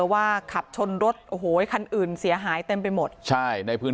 ว่าขับชนรถโอ้โหคันอื่นเสียหายเต็มไปหมดใช่ในพื้น